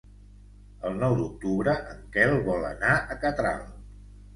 El nou d'octubre en Quel vol anar a Catral.